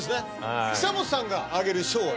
久本さんがあげる賞は？